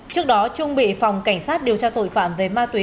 trước đó trung bị phòng cảnh sát điều tra tội phạm về ma túy